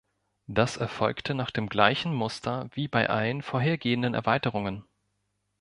Das erfolgte nach dem gleichen Muster wie bei allen vorhergehenden Erweiterungen.